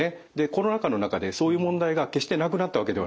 コロナ禍の中でそういう問題が決してなくなったわけではないんです。